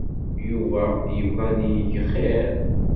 Yuba yebɣa ad yeg xir.